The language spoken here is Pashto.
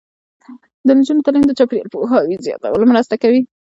د نجونو تعلیم د چاپیریال پوهاوي زیاتولو مرسته کوي.